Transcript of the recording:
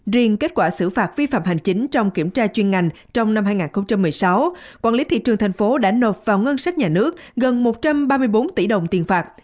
riêng kết quả xử phạt vi phạm hành chính trong kiểm tra chuyên ngành trong năm hai nghìn một mươi sáu quản lý thị trường thành phố đã nộp vào ngân sách nhà nước gần một trăm ba mươi bốn tỷ đồng tiền phạt